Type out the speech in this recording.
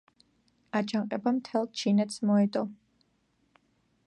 აჯანყება მთელ ჩინეთს მოედო.